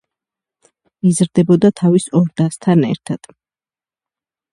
იზრდებოდა თავის ორ დასთან ერთად.